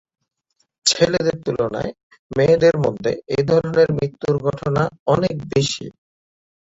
ছেলেদের তুলনায় মেয়েদের মধ্যে এ ধরনের মৃত্যুর ঘটনা অনেক বেশি।